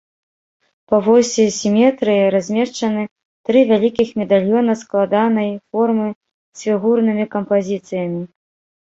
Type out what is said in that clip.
Па восі сіметрыі размешчаны тры вялікіх медальёна складанай формы з фігурнымі кампазіцыямі.